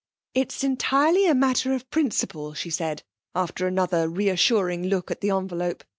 'It's entirely a matter of principle,' she said after another reassuring look at the envelope.